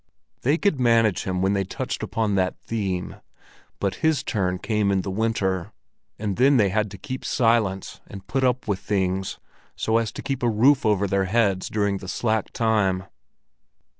They could manage him when they touched upon that theme, but his turn came in the winter, and then they had to keep silence and put up with things, so as to keep a roof over their heads during the slack time.